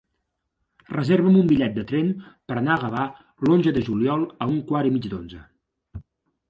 Reserva'm un bitllet de tren per anar a Gavà l'onze de juliol a un quart i mig d'onze.